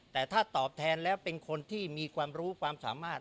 แต่ถ้าตอบแทนแล้วเป็นคนที่มีความรู้ความสามารถ